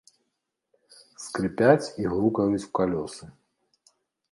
Скрыпяць і грукаюць калёсы.